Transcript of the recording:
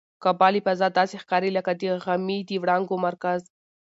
کعبه له فضا داسې ښکاري لکه د غمي د وړانګو مرکز.